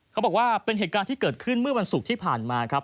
เขาบอกว่าเป็นเหตุการณ์ที่เกิดขึ้นเมื่อวันศุกร์ที่ผ่านมาครับ